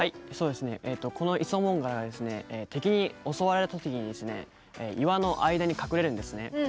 イソモンガラ敵に襲われた時に岩の間に隠れるんですね。